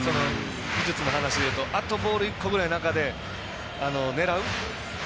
技術の話で言うとあとボール１個ぐらい中で狙う。